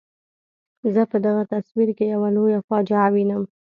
زه په دغه تصویر کې یوه لویه فاجعه وینم.